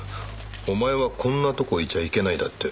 「お前はこんなとこいちゃいけない」だって。